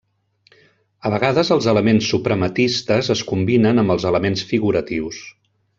A vegades els elements suprematistes es combinen amb els elements figuratius.